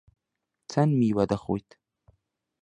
چەند میوە دەخۆیت؟